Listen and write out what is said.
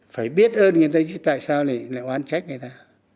phải biết ơn người ta chứ tại sao lại oán trách người ta